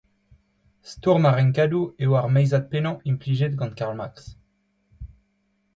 Stourm ar renkadoù eo ar meizad pennañ implijet gant Karl Marx.